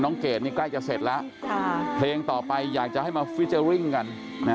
น้องเกดนี่ใกล้จะเสร็จแล้วค่ะเพลงต่อไปอยากจะให้มากัน